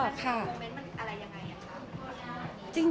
สักพักอย่างยังไง